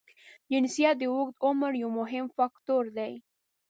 جنسیت د اوږد عمر یو مهم فاکټور دی.